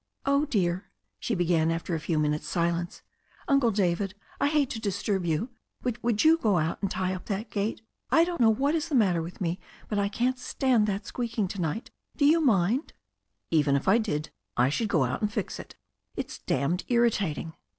"Oh, dear," she began, after a few minutes' silence, "Uncle David, I hate to disturb you, but would you go out and tie up that gate ? I don't know whjit is the matter with me, but I can't stand that squeaking to night. Do you mind?" 275 276 THE STORY OF A NEW ZEALAND RIVER "Even if I did, I should go out and fix it It is damned irritating?'